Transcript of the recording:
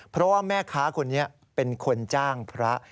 เพราะว่าแม่ค้าคนนี้เป็นคนจ้างพระ